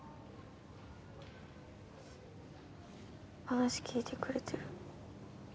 話聞いてくれてる。